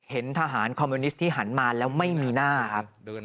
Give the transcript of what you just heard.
เห็นทหารคอมมิวนิสต์ที่หันมาแล้วไม่มีหน้าครับ